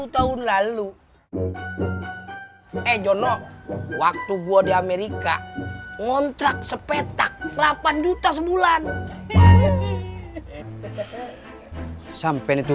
tiga puluh tahun lalu eh jono waktu gua di amerika ngontrak sepetak delapan juta sebulan sampai itu